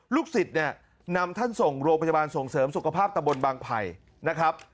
สิทธิ์เนี่ยนำท่านส่งโรงพยาบาลส่งเสริมสุขภาพตะบนบางไผ่นะครับ